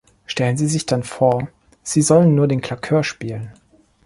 Stellen Sie sich dann vor, Sie sollen nur den Claqueur spielen.